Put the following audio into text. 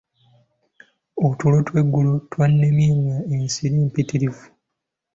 Otulo tw'eggulo twannemye nga ensiri mpitirivu.